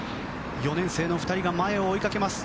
４年生の２人が前を追いかけます。